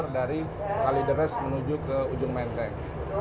dari kalideres menuju ke ujung menteng